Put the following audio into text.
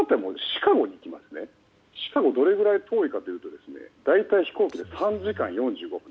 シカゴはどれぐらい遠いかというと大体、飛行機で３時間４５分。